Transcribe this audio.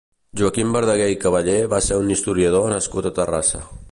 Joaquim Verdaguer i Caballé va ser un historiador nascut a Terrassa.